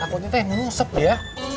takutnya teh nyungsep dia